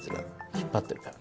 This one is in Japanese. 引っ張っているから。